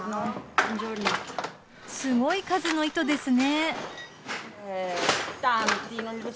すごい数の糸ですね。